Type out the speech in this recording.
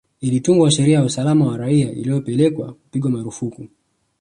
Ilitungwa sheria ya usalama wa raia ilyopelekea kupigwa marufuku